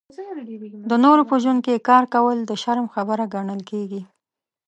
د نورو په ژوند کې کار کول د شرم خبره ګڼل نه کېږي.